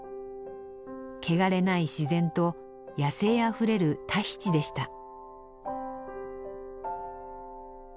汚れない自然と野生あふれるタヒチでした。